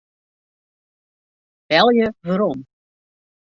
Belje werom.